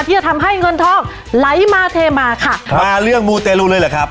จะทำให้เงินทองไลซ์มาเทมาคับมาเรื่องมูเตรลูเลยล่ะครับ